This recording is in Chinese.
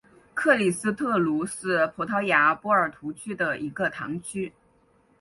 克里斯特卢是葡萄牙波尔图区的一个堂区。